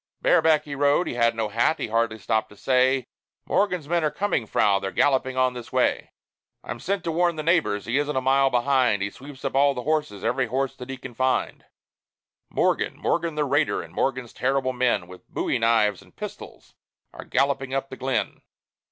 Bareback he rode; he had no hat; he hardly stopped to say, "Morgan's men are coming, Frau; they're galloping on this way. "I'm sent to warn the neighbors. He isn't a mile behind; He sweeps up all the horses every horse that he can find. Morgan, Morgan the raider, and Morgan's terrible men, With bowie knives and pistols, are galloping up the glen!"